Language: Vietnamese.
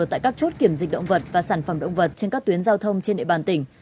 tại các chốt kiểm dịch động vật và sản phẩm động vật trên các tuyến giao thông trên địa bàn tỉnh